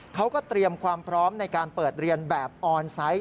เขาก็เตรียมความพร้อมในการเปิดเรียนแบบออนไซต์